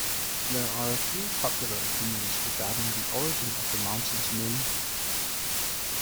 There are a few popular opinions regarding the origin of the mountain's name.